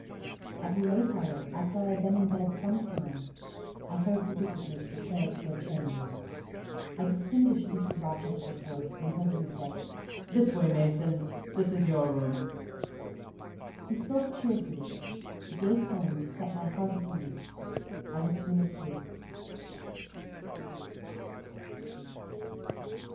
At a late hour, after I had been in bed some time, I heard the visitors repair to their chambers: I distinguished Mr. Rochester's voice, and heard him say, "This way, Mason; this is your room." He spoke cheerfully: the gay tones set my heart at ease. I was soon asleep.